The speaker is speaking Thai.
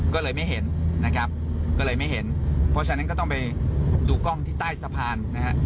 ก็เลยไม่เห็นนะครับก็เลยไม่เห็นเพราะฉะนั้นก็ต้องไปดูกล้องที่ใต้สะพานนะฮะ